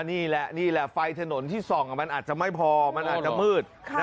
นี่แหละนี่แหละไฟถนนที่ส่องมันอาจจะไม่พอมันอาจจะมืด